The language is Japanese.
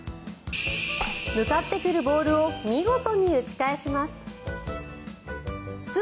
向かってくるボールを見事に打ち返します。